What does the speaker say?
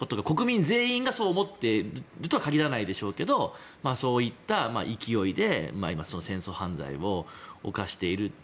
国民全員がそう思っているとは限らないでしょうけどそういった勢いで今、戦争犯罪を犯している。